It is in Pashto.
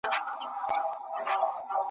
زه بايد تنظيم وکړم.